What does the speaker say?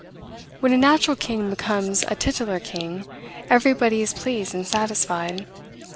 When a natural king becomes a titular king, everybody is pleased and satisfied.